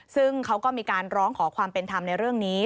ซึ่งเขาก็มีการร้องขอความเป็นธรรมในเรื่องนี้